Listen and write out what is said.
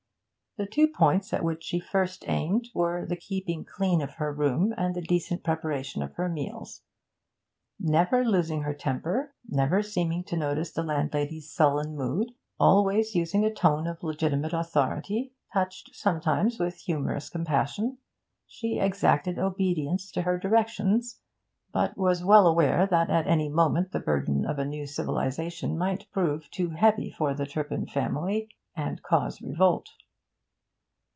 The two points at which she first aimed were the keeping clean of her room and the decent preparation of her meals. Never losing temper, never seeming to notice the landlady's sullen mood, always using a tone of legitimate authority, touched sometimes with humorous compassion, she exacted obedience to her directions, but was well aware that at any moment the burden of a new civilisation might prove too heavy for the Turpin family and cause revolt.